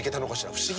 不思議。